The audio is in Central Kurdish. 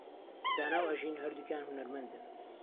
دانا و ئەژین هەردووکیان هونەرمەندن.